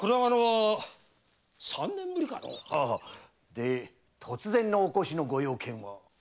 で突然のお越しのご用件は？